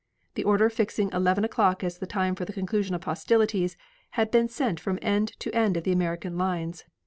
The order fixing eleven o'clock as the time for the conclusion of hostilities, had been sent from end to end of the American lines.